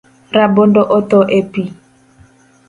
Rabondo otho e pi.